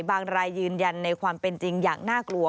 รายยืนยันในความเป็นจริงอย่างน่ากลัว